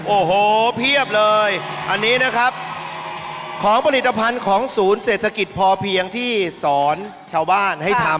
โอ้โหเพียบเลยอันนี้นะครับของผลิตภัณฑ์ของศูนย์เศรษฐกิจพอเพียงที่สอนชาวบ้านให้ทำ